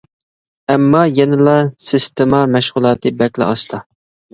ئەمما يەنىلا سىستېما مەشغۇلاتى بەكلا ئاستا.